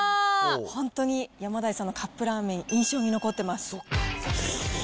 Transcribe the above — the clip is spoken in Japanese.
本当にヤマダイさんのカップラーメン、印象に残ってます。